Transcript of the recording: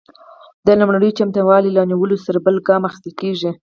د لومړنیو چمتووالو له نیولو وروسته بل ګام اخیستل کیږي.